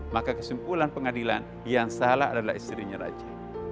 maka kesimpulan pengadilan yang salah adalah istrinya raja